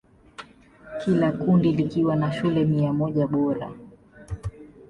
Kila kundi likiwa na shule mia moja bora.